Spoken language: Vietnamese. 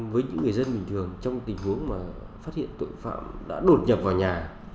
với những người dân bình thường trong tình huống mà phát hiện tội phạm đã đột nhập vào nhà